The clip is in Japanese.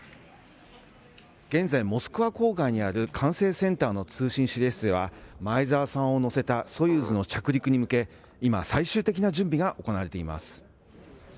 現在、モスクワ郊外にある管制センターの通信指令室では前澤さんを乗せたソユーズの着陸に向け今、最終的な準備が行われています。